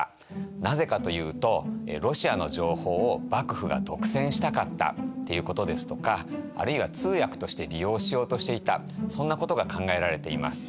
なぜかというとロシアの情報を幕府が独占したかったっていうことですとかあるいは通訳として利用しようとしていたそんなことが考えられています。